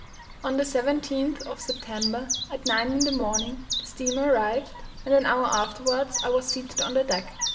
On the 17th of September, at 9 in the morning, the steamer arrived, and an hour afterwards I was seated on the deck.